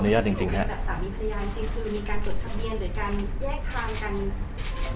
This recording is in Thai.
หรือการสดทะเบียงหรือการแยกทางกัน